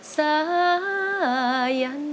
สาย